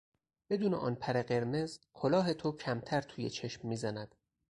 بدون آن پر قرمز، کلاه تو کمتر توی چشم میزند.